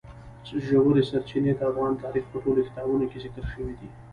ژورې سرچینې د افغان تاریخ په ټولو کتابونو کې ذکر شوي دي.